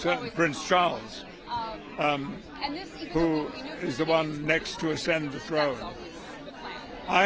tentu saja prince charles yang di sebelah untuk mengucapkan salam ke depan